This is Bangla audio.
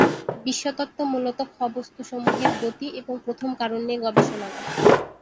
বিশ্বতত্ত্ব মূলত খ-বস্তুসমূহের গতি এবং প্রথম কারণ নিয়ে গবেষণা করে।